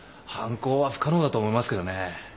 犯行は不可能だと思いますけどね。